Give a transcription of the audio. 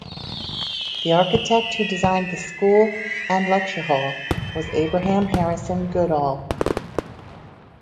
The architect who designed the school and lecture hall was Abraham Harrison Goodall.